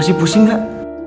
masih pusing gak